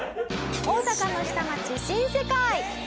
大阪の下町新世界。